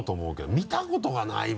「見たことがない」は。